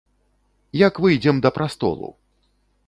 Як выйдзем да прастолу!